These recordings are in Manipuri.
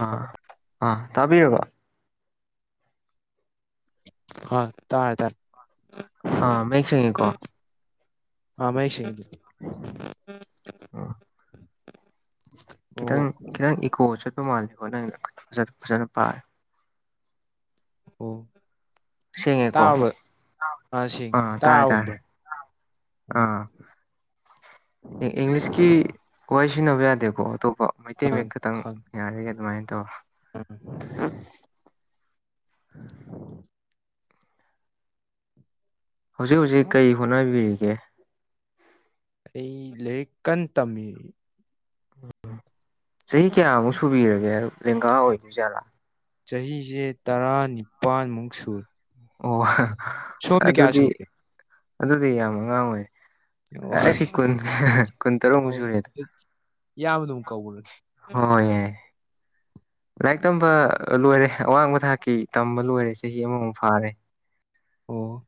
ꯑꯥ ꯑꯥ ꯇꯥꯕꯤꯔꯕ‌ꯣ ꯍ‌ꯣ ꯇꯥꯔꯦ ꯇꯥꯔꯦ ꯑ ꯃꯌꯦꯛ ꯁꯦꯡꯉꯦꯀꯣ ꯑꯥ ꯃꯌ‌ꯦꯛ ꯁ‌ꯦꯡ [inaudible] ꯑꯥ [inaudible] ꯈꯤꯇꯪ ꯑꯣ ꯈꯤꯇꯪ ꯏꯀꯣ ꯆꯠꯄ ꯃꯥꯜꯂꯦꯀꯣ ꯅꯪꯒꯤꯗꯣ ꯐꯖꯅ ꯐꯖꯅ ꯄꯥꯏ ꯑꯣ ꯁꯦꯡꯉꯦꯀꯣ ꯇꯥꯕꯔ‌ꯣ ꯑ ꯁꯤ ꯑꯥ ꯇꯥꯔꯦ ꯇꯥꯔꯦ ꯇꯥꯥꯕ [inaudible] ꯏꯪ-ꯏꯪꯂꯤꯁꯀꯤ ꯋꯥꯍꯩ ꯁꯤꯖꯤꯟꯅꯕ ꯌꯥꯗꯦꯀꯣ ꯑꯇꯣꯞꯄ꯫ ꯃꯩꯇꯩ ꯃꯌꯦꯛ ꯈꯛꯇꯪ ꯌꯥꯔꯤꯒꯩ ꯑꯗꯨꯃꯥꯏ ꯇꯧꯔ‌ꯣ ꯎꯝ [unintelligible] ꯍꯧꯖꯤꯛ ꯍꯧꯖꯤꯛ ꯀꯩ ꯍꯣꯠꯅꯕꯤꯔꯤꯒꯦ꯫ ꯑꯩ ꯂꯥꯏꯔꯤꯛ ꯀꯟ ꯇꯝꯃꯤ ꯎꯝ ꯆꯍꯤ ꯀꯌꯥꯃꯨꯛ ꯁꯨꯕꯤꯔꯒꯦ ꯂꯦꯡꯒꯥ ꯑꯣꯏꯗꯣꯏ ꯖꯥꯠꯂꯥ꯫ ꯆꯍꯤꯁꯦ ꯇꯔꯥꯅꯤꯄꯥꯟꯃꯨꯛ ꯁꯨꯔ ꯑꯣ ꯑꯗꯨꯗꯤ ꯁꯨꯔꯒꯦ ꯑꯗꯨꯗꯤ ꯌꯥꯝ ꯑꯉꯥꯡ ꯑꯣꯏ ꯑꯣ ꯑꯩꯗꯤ ꯀꯨꯟ ꯀꯨꯟ ꯇꯔꯨꯛ ꯃꯨꯛ ꯁꯨꯔꯦꯗ ꯏꯌꯥꯝꯕ ꯑꯗꯨꯝ ꯀꯧꯔꯒꯦ꯫ ꯍꯣꯏ ꯌꯥꯏ ꯂꯥꯏꯔꯤꯛ ꯇꯝꯕ ꯂꯣꯏꯔꯦ ꯑꯋꯥꯡꯕ ꯊꯥꯛꯀꯤ ꯇꯝꯕ ꯂꯣꯏꯔꯦ ꯆꯍꯤ ꯑꯃꯃꯨꯛ ꯐꯥꯔꯦ꯫ ꯑꯣ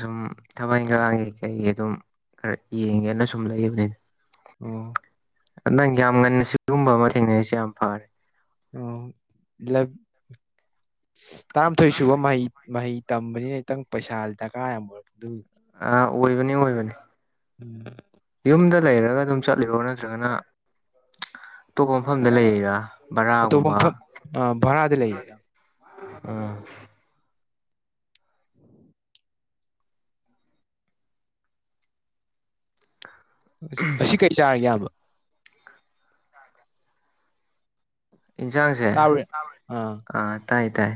ꯁꯨꯝ ꯊꯕꯛ ꯏꯪꯈꯥꯡꯒꯤ ꯀꯩꯒꯤ ꯑꯗꯨꯝ ꯈꯔ ꯌꯦꯡꯒꯦꯅ ꯁꯨꯝ ꯂꯩꯕꯅꯤꯗ꯫ ꯑꯣ ꯅꯪ ꯌꯥꯝ ꯉꯟꯅ ꯁꯤꯒꯨꯝꯕ ꯑꯃ ꯊꯦꯡꯅꯔꯤꯁꯦ ꯌꯥꯝ ꯐꯔꯦ꯫ ꯑꯣ ꯂꯕ ꯇꯔꯥꯃꯥꯊꯣꯏ ꯁꯨꯕ ꯃꯍꯩ ꯃꯍꯩ ꯇꯝꯕꯖꯤ ꯈꯤꯇꯪ ꯄꯩꯁꯥꯖꯦ ꯗꯔꯀꯥꯔ ꯌꯥꯝ ꯑꯣꯏꯔꯛꯄ ꯗꯨ ꯑ ꯑꯣꯏꯕꯅꯤ ꯑꯣꯏꯕꯅꯤ ꯎꯝ ꯌꯨꯝꯗ ꯂꯩꯔꯒ ꯑꯗꯨꯝ ꯆꯠꯂꯤꯔꯣ ꯅꯠꯇ꯭ꯔꯒꯅ ꯑꯇꯣꯞꯄ ꯃꯐꯝꯗ ꯂꯩꯔꯤꯔꯥ ꯑꯇꯣꯞꯄ ꯕꯔꯥꯒꯨꯝꯕ ꯃꯐꯝ ꯑꯥ ꯚꯔꯥꯗ ꯂꯩ ꯑꯣ ꯉꯁ ꯉꯁꯤ ꯀꯩ ꯆꯥꯔꯒꯦ ꯏꯌꯥꯝꯕ꯫ ꯏꯟꯁꯥꯡꯖ‌ꯦ ꯇꯥꯕ꯭ꯔ ꯑꯥ ꯇꯥꯏ ꯇꯥꯏ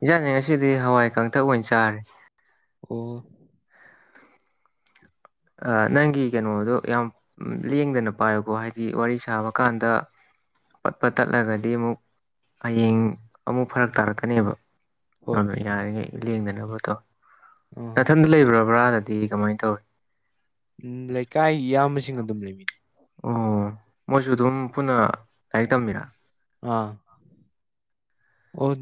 ꯏꯟꯖꯥꯡꯖꯤ ꯉꯁꯤꯗꯤ ꯍꯋꯥꯏ ꯀꯥꯡꯇꯛ ꯑꯣꯏꯅ ꯆꯥꯔꯦ꯫ ꯑꯣ ꯅꯪꯒꯤ ꯀꯩꯅꯣꯗꯣ ꯌꯥꯝ ꯂꯦꯡꯗꯅ ꯄꯥꯏꯌꯨꯀꯣ ꯍꯥꯏꯗꯤ ꯋꯥꯔꯤ ꯁꯥꯕ ꯀꯥꯟꯗ ꯄꯠ ꯄꯠ ꯇꯠꯂꯒꯗꯤ ꯑꯃꯨꯛ ꯍꯌꯦꯡ ꯑꯃꯨꯛ ꯐꯔꯛ ꯇꯥꯔꯛꯀꯅꯤꯕ꯫ ꯍꯣꯏ ꯑꯗꯨꯅ ꯌꯥꯔꯤꯒꯩ ꯂꯦꯡꯗꯅꯕꯇꯧ ꯑꯥ ꯅꯊꯟꯗ ꯂꯩꯕ꯭ꯔꯥ ꯕꯔꯥꯗꯗꯤ ꯀꯃꯥꯏꯅ ꯇꯧꯏ꯫ ꯎꯝ ꯂꯩꯀꯥꯏ ꯏꯌꯥꯝꯕꯁꯤꯡ ꯑꯗꯨꯝ ꯂꯩꯃꯤꯟꯅꯩ꯫ ꯑꯣ ꯃꯣꯏꯁꯨ ꯑꯗꯨꯝ ꯄꯨꯟꯅ ꯂꯥꯏꯔꯤꯛ ꯇꯝꯃꯤꯔꯥ꯫ ꯑꯥ ꯑꯣ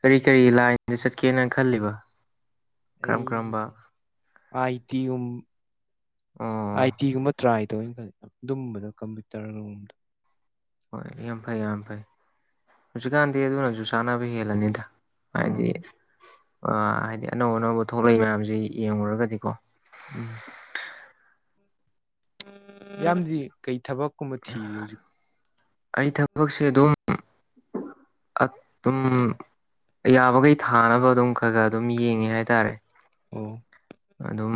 ꯀꯔꯤ ꯀꯔꯤ ꯂꯥꯏꯟꯗ ꯆꯠꯀꯦꯅ ꯈꯜꯂꯤꯕ ꯀꯔꯝ ꯑꯩ ꯀꯔꯝꯕ ꯑꯥꯏ ꯇꯤꯒꯨꯝ ꯑꯣ ꯑꯥꯏ ꯇꯤꯒꯨꯝꯕ ꯇ꯭ꯔꯥꯏ ꯇꯧꯒꯦꯅ ꯈꯜꯂꯤ ꯑꯗꯨꯝꯕꯗ ꯀꯝꯄ꯭ꯌꯨꯇꯔꯒꯨꯝꯕ ꯍꯣꯏ ꯌꯥꯝ ꯐꯩ ꯌꯥꯝ ꯐꯩ ꯍꯧꯖꯤꯛꯀꯥꯟꯗꯤ ꯑꯗꯨꯅꯁꯨ ꯆꯥꯅꯕ ꯍꯦꯜꯂꯅꯤꯗ ꯍꯥꯏꯗꯤ ꯑꯥ ꯍꯥꯏꯗꯤ ꯑꯅꯧ ꯑꯅꯧꯕ ꯊꯣꯛꯂꯛꯏ ꯃꯌꯥꯝꯁꯤ ꯌꯦꯡꯂꯨꯔꯒꯗꯤꯀꯣ ꯎꯝ ꯏꯌꯥꯝꯕꯗꯤ ꯀꯩ ꯊꯕꯛꯀꯨꯝꯕ ꯊꯤꯔꯤ ꯍꯧꯖꯤꯛ꯫ ꯊꯕꯁꯦ ꯗꯨꯝ ꯑꯗꯨꯝ ꯌꯥꯕꯒꯩ ꯊꯥꯅꯕ ꯑꯗꯨꯝ ꯈꯔ ꯈꯔ ꯑꯗꯨꯝ ꯌꯦꯡꯉꯤ ꯍꯥꯏꯇꯥꯔꯦ꯫ ꯑꯣ ꯑꯗꯨꯝ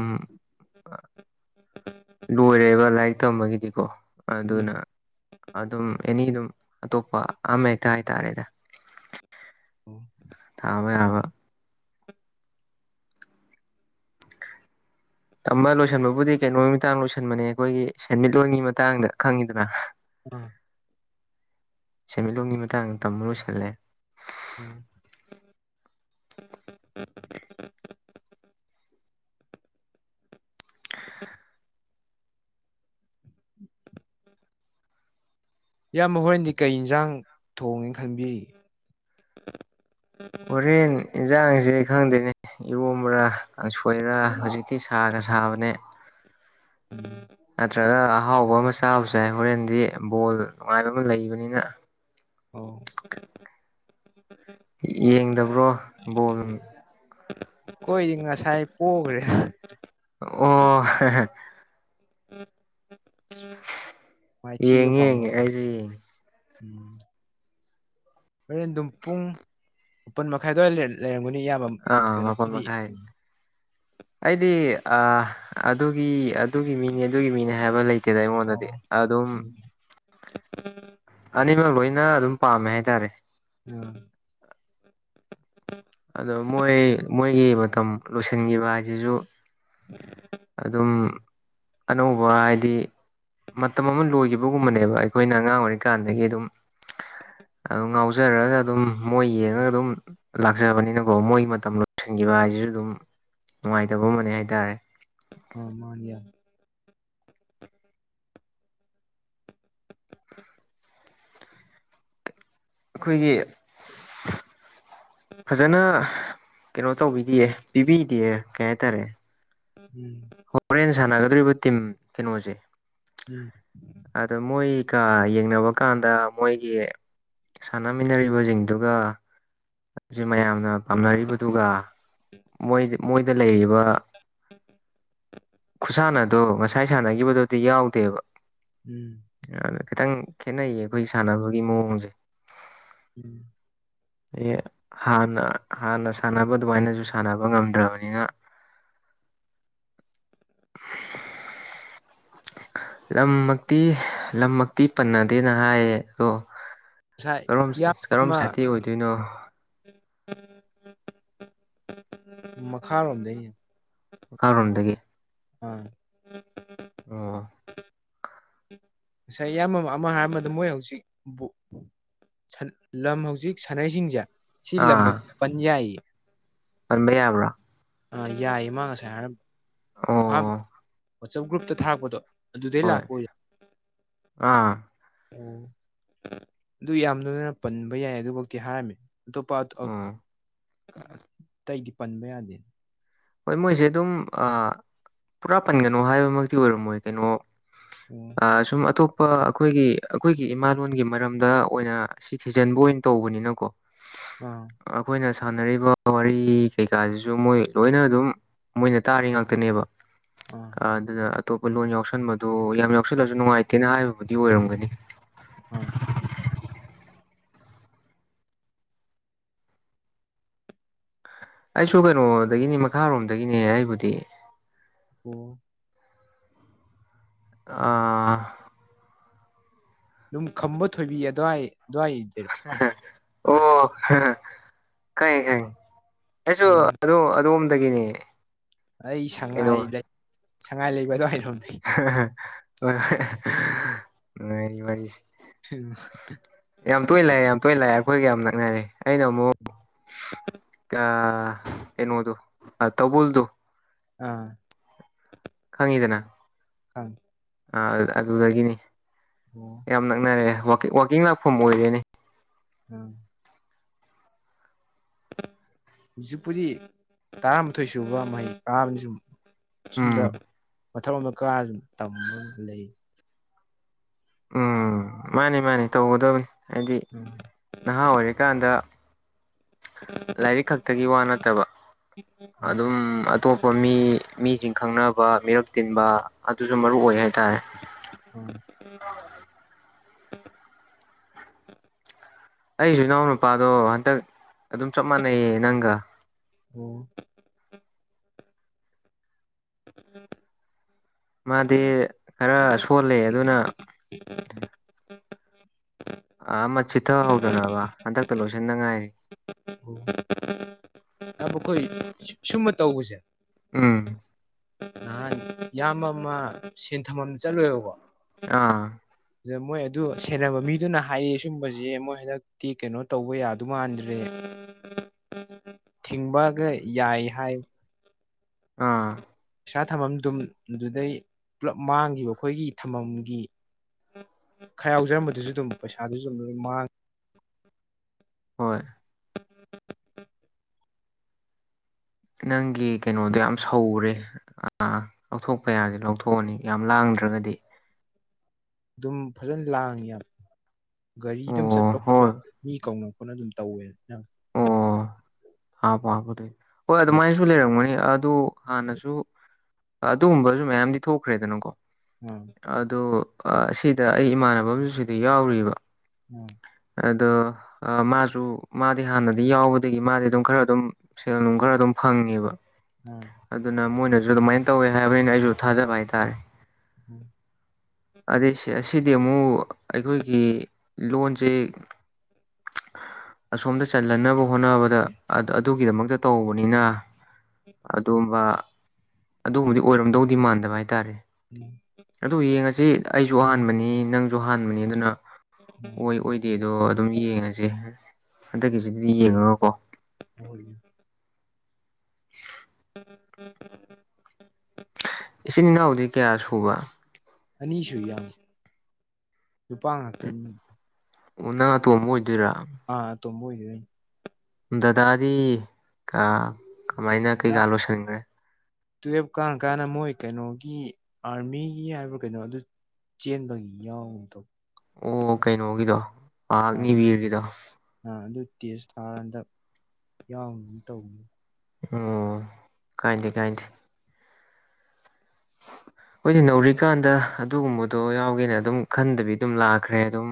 [unintelligible] ꯂꯣꯏꯔꯦꯕ ꯂꯥꯏꯔꯤꯛ ꯇꯝꯕꯒꯤꯗꯤꯀꯣ꯫ ꯎꯝ ꯑꯗꯨꯅ ꯑꯗꯨꯝ ꯑꯦꯅꯤ ꯑꯗꯨꯝ ꯑꯇꯣꯞꯄ ꯑꯃ ꯍꯦꯛꯇ ꯍꯥꯏꯇꯥꯔꯦꯗ꯫ ꯑꯣ ꯊꯥꯃꯦ ꯌꯥꯕ ꯇꯝꯕ ꯂꯣꯏꯁꯤꯟꯕꯕꯨꯗꯤ ꯀꯩꯅꯣꯒꯤ ꯃꯇꯥꯡ ꯂꯣꯏꯁꯟꯕꯅꯦ ꯑꯩꯈꯣꯏꯒꯤ ꯁꯦꯟꯃꯤꯠꯂꯣꯟꯒꯤ ꯃꯇꯥꯡꯗ ꯈꯪꯉꯤꯗꯅ꯫ ꯎꯝ ꯁꯦꯟꯃꯤꯠꯂꯣꯟꯒꯤ ꯃꯇꯥꯡꯗ ꯇꯝꯕ ꯂꯣꯏꯁꯤꯜꯂꯦ꯫ ꯑꯣ [inaudible] ꯏꯌꯥꯝꯕ ꯍꯣꯔꯦꯟꯗꯤ ꯀꯩ ꯏꯟꯖꯥꯡ ꯊꯣꯡꯒꯦꯅ ꯈꯟꯕꯤꯔꯤ꯫ ꯍꯣꯔꯦꯟ ꯏꯟꯁꯥꯡꯖꯦ ꯈꯪꯗꯦꯅꯦ ꯏꯔꯣꯝꯕꯔꯥ ꯀꯥꯡꯁꯣꯏꯔ ꯍꯧꯖꯤꯛ ꯁꯤ ꯁꯥꯒ ꯁꯥꯕꯅꯦ ꯎꯝ ꯅꯠꯇ꯭ꯔꯒ ꯑꯍꯥꯎ ꯑꯍꯥꯎꯕ ꯑꯃ ꯆꯥꯕꯁꯨ ꯌꯥ ꯍꯣꯔꯦꯟꯗꯤ ꯕꯣꯜ ꯅꯨꯡꯉꯥꯏꯕ ꯑꯃ ꯂꯩꯕꯅꯤꯅ ꯑꯥꯎ ꯌꯦꯡꯗꯕ꯭ꯔꯣ ꯕꯣꯜ ꯑꯈꯣꯏꯗꯤ ꯉꯁꯥꯏ ꯄꯣꯒ꯭ꯔꯦ꯫ ꯑꯣ ꯍꯥ ꯍꯥ ꯃꯥꯏ ꯊꯤ ꯌꯦꯡꯉꯦ ꯐꯉꯣ ꯌꯦꯡꯉꯦ ꯑꯩꯁꯨ ꯌꯦꯡꯉꯦ ꯍꯣꯔꯦꯟ ꯑꯗꯨꯝ ꯄꯨꯡ ꯃꯥꯄꯟ ꯃꯈꯥꯏꯗꯋꯥꯏ ꯂꯩꯔꯝꯒꯅꯤ ꯌꯥꯝ ꯑꯥ ꯃꯥꯄꯜ ꯃꯈꯥꯏ ꯑꯩꯗꯤ ꯑ ꯑꯗꯨꯒꯤ ꯑꯗꯨꯒꯤ ꯃꯤꯅꯤ ꯑꯗꯨꯒꯤ ꯃꯤꯅꯤ ꯍꯥꯏꯕ ꯂꯩꯇꯦꯗ ꯑꯣ ꯑꯩꯉꯣꯟꯗꯗꯤ ꯑꯗꯨꯝ ꯎꯝ [unintelligible] ꯑꯅꯤꯃꯛ ꯂꯣꯏꯅ ꯑꯗꯨꯝ ꯄꯥꯝꯃꯦ ꯍꯥꯏꯇꯥꯔꯦ꯫ ꯎꯝ ꯑꯗꯣ ꯃꯣꯏ ꯃꯣꯏꯒꯤ ꯃꯇꯝ ꯂꯣꯏꯁꯤꯟꯒꯤꯕ ꯍꯥꯏꯖꯤꯖꯨ [unintelligible] ꯑꯗꯨꯝ ꯑꯅꯧꯕ ꯍꯥꯏꯗꯤ ꯃꯇꯝ ꯑꯃ ꯂꯣꯏꯈꯤꯕꯒꯨꯝꯕꯅꯦꯕ ꯑꯩꯈꯣꯏꯅ ꯑꯉꯥꯡ ꯑꯣꯏꯔꯤꯀꯥꯟꯗꯒꯤ ꯑꯗꯨꯝ ꯑꯗꯨ ꯉꯥꯎꯖꯔꯒ ꯑꯗꯨꯝ ꯃꯣꯏ ꯌꯦꯡꯉꯒ ꯑꯗꯨꯝ ꯂꯥꯛꯆꯕꯅꯤꯅꯀꯣ ꯃꯣꯏꯒꯤ ꯃꯇꯝ ꯂꯣꯏꯁꯤꯟꯈꯤꯕ ꯍꯥꯏꯁꯤꯁꯨ ꯑꯗꯨꯝ ꯅꯨꯡꯉꯥꯏꯇꯕ ꯑꯃꯅꯦ ꯍꯥꯏꯇꯥꯔꯦ ꯑ ꯃꯥꯟꯅꯤꯌꯥ [inaudible] ꯑꯩꯈꯣꯏꯒꯤ ꯎꯝ ꯐꯖꯅ ꯀꯩꯅꯣ ꯇꯧꯕꯤꯗꯤꯌꯦ ꯄꯤꯕꯤꯗꯤꯌꯦ ꯀꯩ ꯍꯥꯏꯇꯥꯔꯦ [unintelligible] ꯍꯣꯔꯦꯟ ꯁꯥꯟꯅꯒꯗꯧꯔꯤꯕ ꯇꯤꯝ ꯀꯩꯅꯣꯁꯦ ꯎꯝ ꯑꯗ ꯃꯣꯏꯒ ꯌꯦꯡꯅꯕ ꯀꯥꯟꯗ ꯃꯣꯏꯒꯤ ꯁꯥꯟꯅꯃꯤꯟꯅꯔꯤꯕꯁꯤꯡꯗꯨꯒ ꯖꯦ ꯃꯌꯥꯝꯅ ꯄꯥꯝꯅꯔꯤꯕꯗꯨꯒ ꯃꯣꯏ ꯃꯣꯏꯗ ꯂꯩꯔꯤꯕ [inaudible] ꯈꯨꯁꯥꯟꯅꯗꯣ ꯉꯁꯥꯏ ꯁꯥꯟꯅꯈꯤꯕꯗꯨꯗꯤ ꯌꯥꯎꯗꯦꯕ ꯎꯝ [unintelligible] ꯈꯤꯇꯪ ꯈꯦꯠꯅꯩꯌꯦ ꯑꯩꯈꯣꯏ ꯁꯥꯟꯅꯕꯒꯤ ꯃꯑꯣꯡꯁꯦ ꯎꯝ ꯑ ꯍꯥꯟꯅ ꯍꯥꯟꯅ ꯁꯥꯟꯅꯕ ꯑꯗꯨꯃꯥꯏꯅꯁꯨ ꯁꯥꯟꯅꯕ ꯉꯝꯗ꯭ꯔꯕꯅꯤꯅ [unintelligible] ꯂꯝꯃꯛꯇꯤ ꯂꯝꯃꯛꯇꯤ ꯄꯟꯅꯗꯦꯅ ꯍꯥꯏꯌꯦ ꯑꯗꯣ ꯉꯁꯥꯏ ꯀꯔꯣꯝ ꯀꯥꯔꯣꯝ ꯁꯥꯏꯇꯤ ꯑꯣꯏꯗꯣꯏꯅꯣ [inaudible] ꯃꯈꯥ ꯔꯣꯝꯗꯩꯩ ꯃꯈꯥꯔꯣꯝꯗꯒꯤ [unintelligible] ꯑꯣ ꯉꯁꯥꯏ ꯏꯌꯥꯝꯕ ꯑꯃ ꯍꯥꯏꯔꯕꯗ ꯃꯣꯏ ꯍꯧꯖꯤꯛ ꯕꯨ ꯂꯝ ꯍꯧꯖꯤꯛ ꯁꯥꯟꯅꯩꯁꯤꯡꯁꯦ ꯁꯤ ꯂꯝ ꯑꯥ [unintelligible] ꯄꯟ ꯌꯥꯏꯌꯦ ꯄꯟꯕ ꯌꯥꯕ꯭ꯔꯥ ꯑꯥ ꯌꯥꯏꯌꯦ ꯃꯥ ꯉꯁꯥꯏ ꯍꯥꯏꯔꯝꯕ ꯑꯣ ꯑꯍꯥꯟꯕ ꯋꯥꯆꯞ ꯒ꯭ꯔꯨꯞꯇ ꯊꯥꯔꯛꯄꯗꯣ ꯑꯗꯨꯗꯩ ꯍꯣꯏ ꯂꯥꯛꯄ ꯑꯥ ꯑꯣ ꯑꯗꯨ ꯌꯥꯝ [unintelligible] ꯄꯟꯕ ꯌꯥꯏ ꯑꯗꯨꯕꯣꯛꯇꯤ ꯍꯥꯏꯔꯝꯃꯤ ꯑꯇꯣꯞꯄ ꯎꯝ ꯑꯇꯩꯗꯤ ꯄꯟꯕ ꯌꯥꯗꯦ ꯍꯣꯏ ꯃꯣꯏꯁꯦ ꯑꯗꯨꯝ ꯄꯨꯔꯥ ꯄꯟꯒꯅꯣ ꯍꯥꯏꯕꯃꯛꯇꯤ ꯑꯣꯏꯔꯝꯃꯣꯏ ꯀꯩꯅꯣ ꯑꯣ ꯑ ꯁꯨꯝ ꯑꯇꯣꯞ ꯄꯥ ꯑꯩꯈꯣꯏꯒꯤ ꯑꯩꯈꯣꯏꯒꯤ ꯏꯃꯥꯂꯣꯟꯒꯤ ꯃꯔꯝꯗ ꯑꯣꯏꯅ ꯁꯤ ꯊꯤꯖꯤꯟꯕ ꯑꯣꯏꯅ ꯇꯧꯕꯅꯤꯅꯀꯣ [inaudible] ꯑꯥ ꯑꯩꯈꯣꯏꯅ ꯁꯥꯟꯅꯔꯤꯕ ꯋꯥꯔꯤ ꯀꯩꯀꯥꯁꯤꯁꯨ ꯃꯣꯏ ꯂꯣꯏꯅ ꯑꯗꯨꯝ ꯃꯣꯏꯅ ꯇꯥꯔꯤ ꯉꯥꯛꯇꯅꯦꯕ ꯑꯣ ꯑꯗꯨꯅ ꯑꯇꯣꯞꯄ ꯂꯣꯟ ꯌꯥꯎꯁꯟꯕꯗꯨ ꯌꯥꯝ ꯌꯥꯎꯁꯜꯂꯁꯨ ꯅꯨꯡꯉꯥꯏꯇꯦꯅ ꯍꯥꯏꯕꯕꯨꯗꯤ ꯑꯣꯏꯔꯝꯒꯅꯤ ꯑꯥ ꯑꯩꯁꯨ ꯀꯩꯅꯣꯗꯒꯤꯅꯤ ꯃꯈꯥꯔꯣꯝꯗꯒꯤꯅꯦ ꯑꯩꯕꯨꯗꯤ ꯑꯣ ꯑꯥ ꯑꯗꯨꯝ ꯈꯝꯕ ꯊꯣꯏꯕꯤ ꯑꯗꯨꯋꯥꯏ ꯑꯗꯨꯋꯥꯏꯗꯩꯩꯔꯣ [unintelligible] ꯑꯩꯁꯨ ꯑꯣ ꯑꯗꯨ ꯑꯗꯣꯝꯗꯒꯤꯅꯤ ꯑꯩ ꯁꯉꯥꯏ ꯂꯩ ꯁꯉꯥꯏ ꯂꯩꯕ ꯑꯗꯨꯋꯥꯏꯔꯣꯝꯗ [unintelligible] [unintelligible] ꯌꯥꯝ ꯇꯣꯏꯅ ꯂꯥꯛꯑꯦ ꯌꯥꯝ ꯇꯣꯏꯅ ꯂꯥꯛꯑꯦ ꯑꯩꯈꯣꯏꯒ ꯌꯥꯝ ꯅꯛꯅꯔꯦ ꯑꯩꯅ ꯑꯃꯨꯛ ꯀꯩꯅꯣꯗꯣ ꯇꯧꯕꯜꯗꯣ ꯑꯥ ꯈꯪꯉꯤꯗꯅ ꯍ ꯑꯗꯨꯗꯒꯤꯅꯤ ꯑꯣ ꯌꯥꯝ ꯅꯛꯅꯔꯦ ꯋꯥꯀꯤꯡ ꯂꯥꯛꯐꯝ ꯑꯣꯏꯔꯦꯅꯤ ꯎꯝ ꯍꯧꯖꯤꯛꯄꯨꯗꯤ ꯇꯔꯥꯃꯥꯊꯣꯏ ꯁꯨꯕ ꯃꯍꯩ ꯇꯥꯕꯅꯤ ꯁꯨꯝ ꯑꯨꯝꯗ ꯎꯝ ꯃꯊꯛ ꯑꯃꯣꯝꯗ ꯀꯥ ꯑꯗꯨ ꯇꯝꯕ ꯂꯩ ꯎꯝ ꯃꯥꯅꯤ ꯃꯥꯅꯤ ꯇꯧꯒꯗꯕꯅꯤ ꯍꯥꯏꯗꯤ ꯎꯝ ꯅꯍꯥ ꯑꯣꯏꯔꯤꯀꯥꯟꯗ ꯂꯥꯏꯔꯤꯛ ꯈꯛꯇꯒꯤ ꯋꯥ ꯅꯠꯇꯕ ꯎꯝ ꯑꯗꯨꯝ ꯑꯇꯣꯞꯄ ꯃꯤ ꯃꯤꯁꯤꯡ ꯈꯪꯅꯕ ꯃꯤꯔꯛ ꯇꯤꯟꯕ ꯑꯗꯨꯁꯨ ꯃꯔꯨ ꯑꯣꯏ ꯍꯥꯏꯇꯥꯔꯦ ꯑꯣ ꯑꯣ ꯑꯩꯁꯨ ꯏꯅꯥꯎ ꯅꯨꯄꯥꯗꯣ ꯍꯟꯇꯛ ꯑꯗꯨꯝ ꯆꯞ ꯃꯥꯟꯅꯩꯌꯦ ꯅꯪꯒ ꯑꯣꯝ ꯎꯝ ꯃꯥꯗꯤ ꯈꯔ ꯁꯣꯜꯂꯦ ꯑꯗꯨꯅ ꯍ ꯑ ꯑꯃ ꯆꯤꯠꯊꯍꯧꯗꯅꯕ ꯍꯟꯗꯛꯇ ꯂꯣꯏꯁꯤꯟꯅꯉꯥꯏꯔꯤ ꯎꯝ ꯑꯩꯈꯣꯏ ꯁꯨꯝꯕ ꯇꯧꯕꯁꯦ ꯎꯝ ꯅꯍꯥꯟ ꯏꯕ ꯑꯃ ꯁꯦꯟꯊ ꯑꯃ ꯆꯠꯂꯨꯑꯦꯕꯀꯣ ꯑꯥ ꯑꯗꯨꯗ ꯃꯣꯏ ꯑꯗꯨ ꯁꯦꯟꯅꯕ ꯃꯤꯗꯨꯅ ꯍꯥꯏꯔ ꯁꯨꯝꯕꯕꯁꯤꯦ ꯃꯣꯏ ꯍꯟꯗꯛꯇꯤ ꯀꯩꯅꯣ ꯇꯧꯕ ꯌꯥꯗꯨ ꯃꯥꯟꯗ꯭ꯔꯦ ꯊꯤꯡꯕꯒ ꯌꯥꯏ ꯍꯥꯏ ꯑꯥ ꯄꯩꯁꯥ ꯊꯝꯐꯝꯗꯨꯝ ꯑꯗꯨꯗꯩ ꯄꯨꯂꯞ ꯃꯥꯡꯈꯤꯕ ꯑꯩꯈꯣꯏꯒꯤ ꯊꯝꯐꯝꯒꯤ ꯈꯔ ꯌꯥꯎꯖꯔꯝꯕꯗꯨꯁꯨ ꯑꯗꯨꯝ ꯄꯩꯁꯥꯗꯨꯁꯨ ꯑꯗꯨꯝ ꯂꯣꯏ ꯃꯥꯡꯉ ꯍꯣꯏ ꯎꯝ ꯎ ꯅꯪꯒꯤ ꯀꯩꯅꯣꯗꯣ ꯌꯥꯝ ꯁꯧꯔꯦ ꯑꯥ ꯂꯧꯊꯣꯛꯄ ꯌꯥꯁꯦ ꯂꯧꯊꯣꯛꯑꯅꯤ ꯌꯥꯝ ꯂꯥꯡꯗ꯭ꯔꯒꯗꯤ ꯑꯗꯨꯝ ꯐꯖꯅ ꯂꯥꯡꯉꯤ ꯌꯥꯝ ꯒꯥꯔꯤ ꯑꯗꯨꯝ ꯑꯣ ꯆꯠꯄ ꯈꯣꯠꯄ ꯍꯣꯏ ꯃꯤ ꯀꯧꯅ ꯑꯩꯣꯏꯅ ꯑꯗꯨꯝ ꯇꯧꯋꯦ ꯅꯪ ꯍꯥꯄ ꯍꯥꯕ ꯑꯗꯨꯏ ꯍꯣꯏ ꯑꯗꯨꯃꯥꯏꯅꯁꯨ ꯂꯩꯔꯝꯒꯅꯤ ꯑꯗꯨ ꯍꯥꯟꯅꯁꯨ ꯑꯗꯨꯒꯨꯝꯕꯁꯨ ꯃꯌꯥꯝꯗꯤ ꯊꯣꯛꯈ꯭ꯔꯦꯗꯅꯀꯣ ꯎꯝ ꯑ ꯁꯤꯗ ꯑꯩ ꯏꯃꯥꯟꯅꯕ ꯑꯨ ꯁꯤꯗꯤ ꯌꯥꯎꯔꯤꯕ ꯎꯝ ꯑꯗꯣ ꯃꯥꯁꯨ ꯃꯥꯗꯤ ꯍꯥꯟꯅꯗꯤ ꯌꯥꯎꯕꯗꯒꯤ ꯃꯥꯗꯤ ꯑꯗꯨꯝ ꯈꯔ ꯑꯗꯨꯝ ꯁꯦꯜ ꯅꯨꯡ ꯈꯔ ꯑꯗꯨꯝ ꯐꯪꯉꯦꯕ ꯎꯝ ꯑꯗꯨꯅ ꯃꯣꯏꯅꯁꯨ ꯑꯗꯨꯃꯥꯏꯅ ꯇꯧꯋꯦ ꯍꯥꯏꯕꯅꯤꯅ ꯑꯩꯁꯨ ꯊꯥꯖꯕ ꯍꯥꯏꯇꯥꯔꯦ ꯎꯝ ꯑꯗꯩꯁꯦ ꯑꯁꯤꯗꯤ ꯑꯃꯨꯛ ꯑꯩꯈꯣꯏꯒꯤ ꯂꯣꯟꯁꯦ ꯑꯁꯣꯝꯗ ꯆ ꯍꯜꯍꯟꯅꯕ ꯍꯣꯠꯅꯕꯗ ꯑꯗꯨꯒꯤꯗꯃꯛꯇ ꯇꯧꯕꯅꯤꯅ ꯑꯗꯨꯒꯕ ꯑꯗꯨꯒꯨꯝꯕꯗꯤ ꯑꯣꯏꯔꯝꯗꯧꯗꯤ ꯃꯥꯟꯗꯕ ꯍꯥꯏꯇꯥꯔꯦ ꯎꯝ ꯑꯗꯨ ꯌꯦꯡꯉꯁꯤ ꯑꯩꯁꯨ ꯑꯍꯥꯟꯕꯅꯤ ꯅꯪꯁꯨ ꯑꯍꯥꯟꯕꯅꯤ ꯑꯗꯨꯅ ꯎꯝ ꯑꯣꯏ ꯑꯣꯏ ꯗꯦꯗꯣ ꯑꯗꯨꯝ ꯌꯦꯡꯉꯁꯦ ꯍꯟꯗꯛꯀꯤꯁꯤꯗꯗꯤ ꯌꯦꯡꯉꯒꯀꯣ ꯍ ꯎꯝ ꯎ [unintelligible] ꯎ ꯏꯆꯤꯟ ꯏꯅꯥꯎꯗꯤ ꯀꯌꯥ ꯁꯨꯕ ꯑꯅꯤꯁꯨꯏ ꯏꯌꯥꯝꯕ ꯅꯨꯄꯥ ꯉꯥꯛꯇ ꯑꯅꯤ ꯑꯣ ꯅꯪ ꯑꯇꯣꯝꯕ ꯑꯣꯏꯗꯣꯏꯔꯥ ꯑ ꯑꯇꫭꯝꯕ ꯑꯣꯏꯗꫭꯏꯅꯦ ꯗꯗꯥꯗꯤ ꯀꯥ ꯀꯃꯥꯏꯅ ꯀꯩꯀꯥ ꯂꯣꯏꯁꯤꯟꯈ꯭ꯔꯦ ꯇꯨꯌꯦꯜꯕ ꯀꯥꯅ ꯀꯥꯅ ꯃꯣꯏ ꯀꯩꯅꯣꯒꯤ ꯑꯥꯔꯃꯤꯒꯤ ꯍꯥꯏꯕ꯭ꯔꯥ ꯀꯩꯅꯣ ꯑꯗꯨ ꯆꯦꯟꯕ ꯌꯥꯎꯗꯣ ꯑꯣ ꯀꯩꯅꯣꯒꯤꯗꯣ ꯃꯍꯥꯛꯅꯤꯕꯤꯔꯒꯤꯗꯣ ꯑ ꯑꯗꯨ ꯇꯦꯁ ꯊꯥꯔꯥꯟꯗ ꯌꯥꯎ ꯇꯧꯕꯅꯤ ꯑꯣ ꯀꯥꯏꯗꯦ ꯀꯥꯏꯗꯦ [unintelligible] ꯈꫭꯏꯗꯤ ꯅꯧꯔꯤꯀꯥꯟꯗ ꯑꯗꯨꯒꯨꯝꯕꯗꯣ ꯌꯥꯎꯒꯦꯅ ꯑꯗꯨꯝ ꯈꯟꯗꯕꯤ ꯑꯗꯨꯝ ꯂꯥꯛꯈ꯭ꯔꯦ ꯑꯗꯨꯝ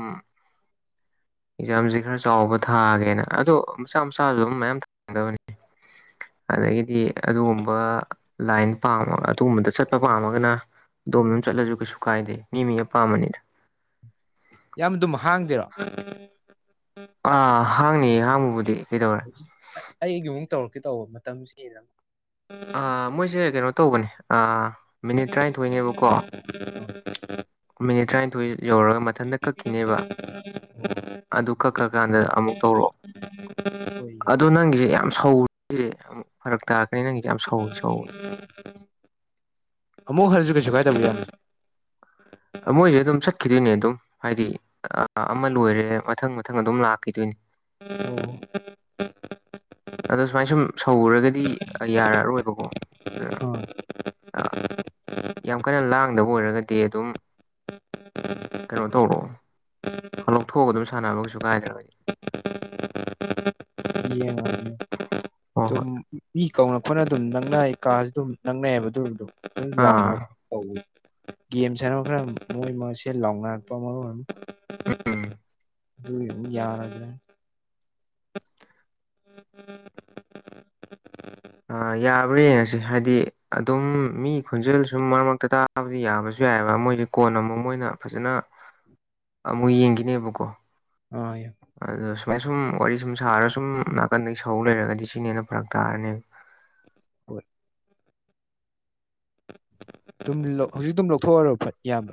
ꯑꯦꯛꯖꯥꯝꯁꯦ ꯈꯔ ꯆꯥꯎꯕ ꯊꯥꯒꯦꯅ ꯑꯗꯣ ꯃꯆꯥ ꯃꯆꯥꯁꯨ ꯑꯗꯨꯝ ꯃꯌꯥꯝ ꯊꯥꯡꯗꯕꯅꯤ ꯑꯥ ꯑꯗꯒꯤꯗꯤ ꯑꯗꯨꯒꯨꯝꯕ ꯂꯥꯏꯟ ꯄꯥꯝꯃꯒ ꯑꯗꯨꯒꯨꯝꯕꯗ ꯆꯠ ꯑꯄꯥꯥꯝꯃꯒꯅ ꯑꯗꯣꯝꯗꯣꯝ ꯆꯠꯂꯁꯨ ꯀꯩꯁꯨ ꯀꯥꯏꯗꯦ ꯃꯤ ꯃꯤ ꯑꯄꯥꯝꯕꯅꯤꯗ ꯏꯌꯥꯝꯕ ꯑꯗꯨꯝ ꯍꯥꯡꯗꯦꯔꯣ ꯑꯥ ꯍꯥꯡꯅꯤꯌꯦ ꯍꯥꯡꯕꯕꯨꯗꯤ ꯀꯩꯗꯧꯔꯦ ꯑꯩꯒꯤ ꯑꯃꯨꯛ ꯇꯧꯔꯛꯀꯦ ꯇꯧꯕ ꯃꯇꯝꯁꯤꯍꯦꯜꯂꯝꯅꯤ ꯃꯣꯏꯁꯦ ꯀꯩꯅꯣ ꯇꯧꯕꯅꯦ ꯃꯤꯅꯤꯠ ꯇꯔꯥꯅꯤꯊꯣꯏꯅꯦꯕꯀꯣ ꯃꯤꯅꯤꯠ ꯇꯔꯥꯅꯤꯊꯣꯏ ꯌꯧꯔꯒ ꯃꯊꯟꯇ ꯀꯛꯈꯤꯅꯦꯕ [unintelligible] ꯑꯗꯨ ꯀꯛ ꯀ ꯀꯥꯟꯗ ꯑꯃꯨꯛ ꯇꯧꯔꯛꯑꯣ ꯍꫭꯏ ꯑꯗꯣ ꯅꯪꯒꯤꯁꯦ ꯌꯥꯝ ꯁꯧꯔꯦꯁꯦ ꯑꯃꯨꯛ ꯐꯔꯛ ꯇꯥꯔꯛꯀꯅꯤ ꯅꯪꯒꯤ ꯑꯃꯨꯛ ꯍꯟꯅꯁꯨ ꯀꯩꯁꯨ ꯀꯥꯏꯗꯧꯕ ꯌꯥꯝ ꯃꯣꯏꯁꯦ ꯑꯗꯨꯝ ꯆꯠꯈꯤꯗꯣꯏꯅꯦ ꯑꯗꯨꯝ ꯍꯥꯏꯗꯤ ꯑꯃ ꯂꯣꯏꯔꯦ ꯃꯊꯪ ꯃꯊꯪ ꯑꯗꯨꯝ ꯂꯥꯛꯈꯤꯗꯣꯏꯅꯦ [unintelligible] ꯑꯗꯣ ꯁꯨꯃꯥꯏ ꯁꯨꯝ ꯁꯧꯔꯒꯗꯤ ꯌꯥꯔꯛꯑꯔꯣꯏꯕꯀꯣ ꯑꯗꯨ ꯑꯥ ꯌꯥꯝ ꯀꯟꯅ ꯂꯥꯡꯗꯕ ꯑꯣꯏꯔꯒꯗꯤ ꯑꯗꯨꯝ ꯎꯝ ꯎꯝ ꯎꯝ ꯀꯩꯅꯣ ꯇꯧꯔꯣ ꯂꯧꯊꯣꯛꯑꯒ ꯑꯗꯨꯝ ꯁꯥꯟꯅꯕ ꯀꯩꯁꯨ ꯀꯥꯏꯗ꯭ꯔꯕꯩ ꯌꯦꯡꯉꯖꯤꯅꯦ ꯍꯣ ꯍꯣꯏ ꯃꯤ ꯀꯧꯅ ꯈꯣꯠꯅ ꯑꯗꯨꯝ ꯅꯪꯅꯩ ꯀꯥꯁꯨ ꯑꯗꯨꯝ ꯅꯪꯅꯩꯌꯦꯕ ꯑꯗꯨꯝ ꯑꯗꯨꯝ ꯑꯥ ꯂꯥꯎꯅꯕ ꯇꯧꯏ ꯒꯦꯝ ꯁꯥꯟꯅꯕ ꯈꯔ ꯃꯣꯏ ꯃꯣꯏꯁꯦ ꯂꯥꯎꯅꯔꯛꯄ ꯃꯔ ꯑꯣꯏꯔ ꯎꯝ ꯑꯗꯨꯏ ꯌꯥꯔꯒꯦ [unintelligible] ꯑ ꯌꯥ ꯍꯨꯔꯦꯟꯌꯦꯡꯉꯁꯤ ꯍꯥꯏꯗꯤ ꯑꯗꯨꯝ ꯃꯤ ꯈꯨꯟꯖꯦꯜ ꯁꯨꯝ ꯃꯔꯛ ꯃꯔꯛꯇ ꯇꯥꯕꯗꯤ ꯌꯥꯕꯁꯨ ꯌꯥꯏꯑꯕ ꯃꯣꯏꯗꯤ ꯀꯣꯟꯅ ꯑꯃꯨꯛ ꯃꯣꯏꯅ ꯐꯖꯅ ꯑꯃꯨꯛ ꯌꯦꯡꯒꯤꯅꯦꯕꯀꯣ [unintelligible] ꯑꯗꯨꯗ ꯁꯨꯃꯥꯏ ꯁꯨꯝ ꯋꯥꯔꯤ ꯁꯨꯝ ꯁꯥꯔꯒ ꯁꯨꯝ ꯅꯥꯀꯟꯗꯒꯤ ꯁꯧ ꯂꯩꯔꯒꯗꯤ ꯁꯤꯅ ꯍꯦꯟꯅ ꯐꯔꯛ ꯇꯥꯔꯅꯦꯕ ꯍꯣꯏ [unintelligible] ꯍꯧꯖꯤꯛ ꯑꯗꯨꯝ ꯂꯧꯊꯣꯛ ꯑ‌ꯣ ꯍꯥꯏꯔꯣ ꯐꯠ ꯏꯌꯥꯝꯕ